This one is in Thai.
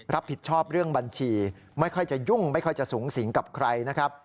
รับผิดชอบเรื่องบัญชีไม่ค่อยจะยุ่งไม่ค่อยจะสูงสิงกับใครนะครับ